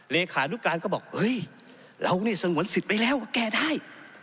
เลขานุการก็บอกเฮ้ยเรานี่สงวนสิทธิ์ไปแล้วก็แก้ได้